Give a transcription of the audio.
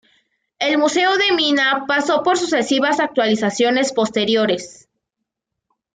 El Museo de la Mina pasó por sucesivas actualizaciones posteriores.